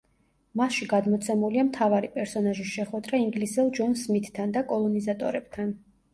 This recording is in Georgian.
მასში გადმოცემულია მთავარი პერსონაჟის შეხვედრა ინგლისელ ჯონ სმითთან და კოლონიზატორებთან.